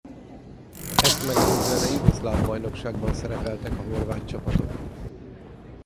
Ezt megelőzően a jugoszláv bajnokságban szerepeltek a horvát csapatok.